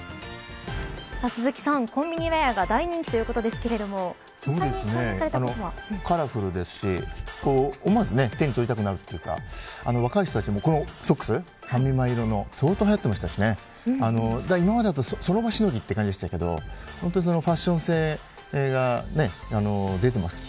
鈴木さん、コンビニウェアが大人気ということですけどカラフルですし思わず手に取りたくなるというか若い人たちもこのソックスファミマ色の相当はやっていましたし今までは、その場しのぎという感じでしたけどファッション性が出てますし